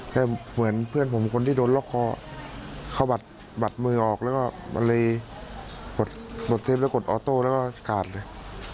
ก็เหมือนเพื่อนผมคนที่โดนล็อกคอเขาบัดมือออกแล้วก็เลยกดเทปแล้วกดออโต้แล้วก็กาดเลย